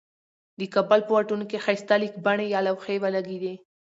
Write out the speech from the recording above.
دې کابل په واټونو کې ښایسته لیکبڼي یا لوحی ولګیدي.